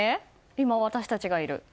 今、私たちがいる。